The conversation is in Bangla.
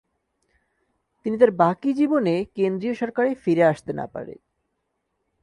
তিনি তার বাকি জীবনে কেন্দ্রীয় সরকারে ফিরে আসতে না পারে।